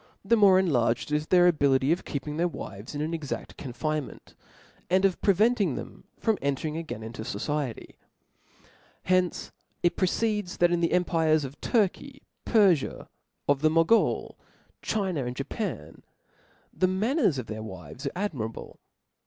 c more enlarged is their ability ^^6o T H E S P I R I T ^x^ ^ ability of keeping their wives in an exaft confine* Chap. 10. mcnt, and of preventing them from entering again into fociety. From hence it proceeds, that in the empires of Turky, Perfia, of the Mogul, China, and Japan, the manners of their w^ves are ad mirable.